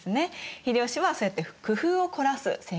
秀吉はそうやって工夫を凝らす性格。